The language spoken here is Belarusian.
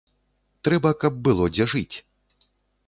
Трэба, каб было дзе жыць.